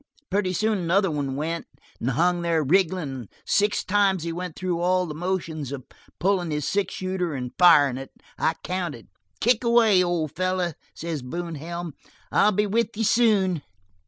Pretty soon another went, and hung there wiggling, and six times he went through all the motions of pullin' his six shooter and firin' it. I counted. 'Kick away, old fellow,' says Boone Helm, 'I'll be with you soon.'